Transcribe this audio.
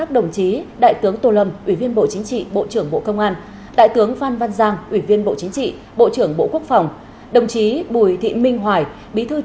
đồng chí vũ đức nam ủy viên trung ương đảng phó thủ tướng chính phủ